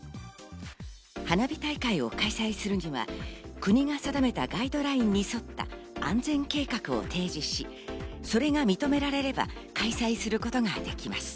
花火大会を開催するには、国が定めたガイドラインに沿った安全計画を提示し、それが認められれば、開催することができます。